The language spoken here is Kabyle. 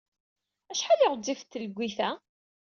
Acḥal ay ɣezzifet tleggit-a?